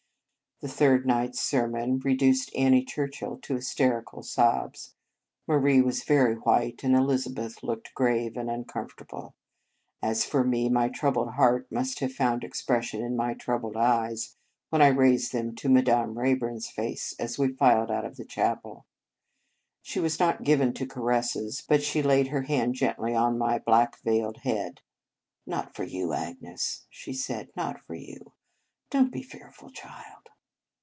The third night s sermon reduced Annie Churchill to hysterical sobs; Marie was very white, and Elizabeth looked grave and uncomfortable. As for me, my troubled heart must have found ex pression in my troubled eyes, when I raised them to Madame Rayburn s face as we filed out of the chapel. She was not given to caresses, but she laid her hand gently on my black veiled head. " Not for you, Agnes," she said, " not for you. Don t be fear ful, child!